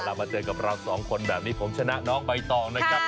มาเจอกับเราสองคนแบบนี้ผมชนะน้องใบตองนะครับ